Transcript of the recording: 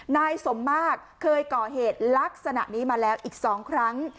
นายสมมากเคยก่อเหตุลักษณะนี้มาแล้วอีก๒ครั้ง